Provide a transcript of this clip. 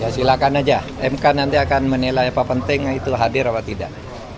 silakan aja mk nanti akan menilai apa pentingnya itu hadir apa tidak